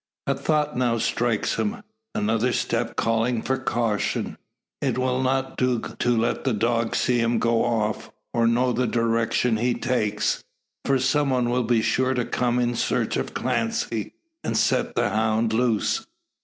A thought now strikes him, another step calling for caution. It will not do to let the dog see him go off, or know the direction he takes; for some one will be sure to come in search of Clancy, and set the hound loose.